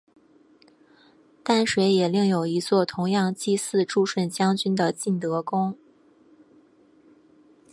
淡水也另有一座同样祭祀助顺将军的晋德宫。